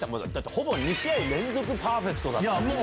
ほぼ２試合連続パーフェクトだった。